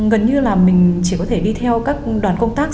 gần như là mình chỉ có thể đi theo các đoàn công tác